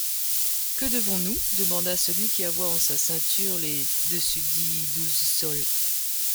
Que devons-nous ? demanda celluy qui avoyt en sa ceincture les dessusdicts douze sols.